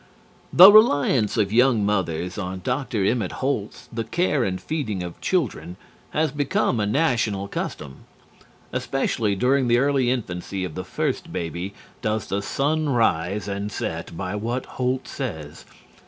The reliance of young mothers on Dr. Emmett Holt's "The Care and Feeding of Children," has become a national custom. Especially during the early infancy of the first baby does the son rise and set by what "Holt says."